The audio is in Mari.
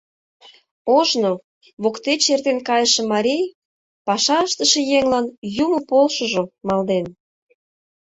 Ожно воктеч эртен кайыше марий паша ыштыше еҥлан, юмо полшыжо, малден.